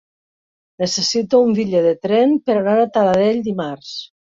Necessito un bitllet de tren per anar a Taradell dimarts.